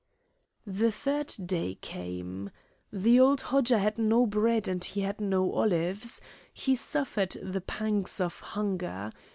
The third day came. The old Hodja had no bread and he had no olives. He suffered the pangs of hunger.